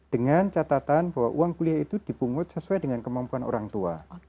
dengan catatan bahwa uang kuliah itu dipungut sesuai dengan kemampuan orang tua